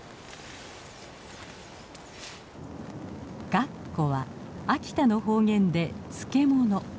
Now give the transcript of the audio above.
「がっこ」は秋田の方言で漬け物。